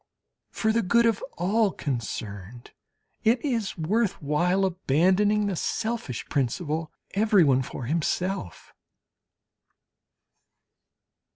For the good of all concerned, it is worth while abandoning the selfish principle: "Everyone for himself."